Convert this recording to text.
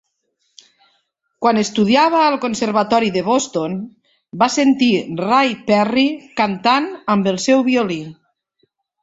Quan estudiava al Conservatori de Boston, va sentir Ray Perry cantant amb el seu violí.